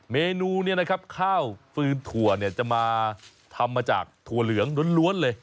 เมนูข้าวฟื้นถั่วจะมาทำมาจากถั่วเหลืองล้วนเลย